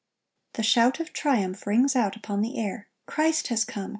The shout of triumph rings out upon the air, "Christ has come!